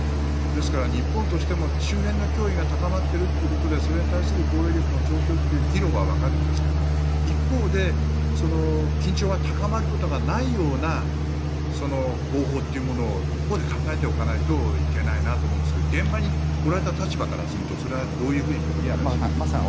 ですから日本としても周辺の脅威が高まっているということでそれに対する防衛力の増強という議論は分かるんですけど一方で緊張が高まることがないような方法というものを一方で考えておかないといけないなと思うんですけど現場におられた立場からするとそれはどういうふうに受け止めてらっしゃいますか？